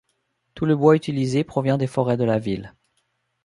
Tout le bois utilisé provient des forêts de la ville.